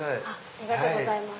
ありがとうございます。